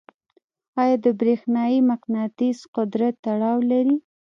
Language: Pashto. آیا د برېښنايي مقناطیس قدرت تړاو لري؟